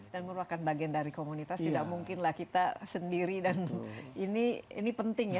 dan merupakan bagian dari komunitas tidak mungkinlah kita sendiri dan ini penting ya